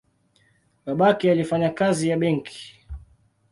Babake alifanya kazi ya benki.